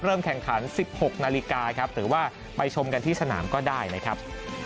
แข่งขัน๑๖นาฬิกาครับหรือว่าไปชมกันที่สนามก็ได้นะครับ